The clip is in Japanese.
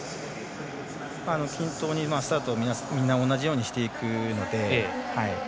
均等にスタートをみんな同じようにしていくので。